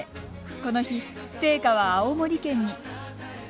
この日、聖火は青森県に。